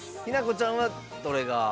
日奈子ちゃんはどれが？